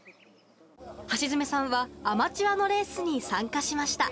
橋爪さんはアマチュアのレースに参加しました。